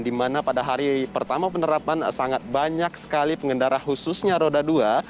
di mana pada hari pertama penerapan sangat banyak sekali pengendara khususnya roda dua